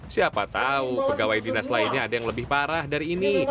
siapa tahu pegawai dinas lainnya ada yang lebih parah dari ini